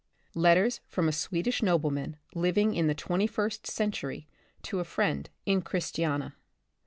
LETTERS FROM A SWEDISH NOBLEMAN LIVING IN THE aisT CENTURY TO A FRIEND IN CHRISTIANIA.